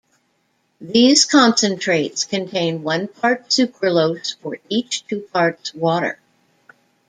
These concentrates contain one part sucralose for each two parts water.